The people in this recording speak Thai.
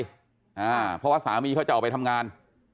เพราะว่าสามีเขาจะออกไปทำงาน